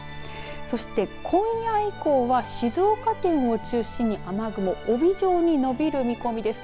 そして今夜以降は静岡県を中心に雨雲が帯状に延びる見込みです。